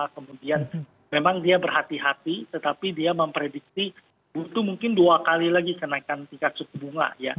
kemudian memang dia berhati hati tetapi dia memprediksi butuh mungkin dua kali lagi kenaikan tingkat suku bunga ya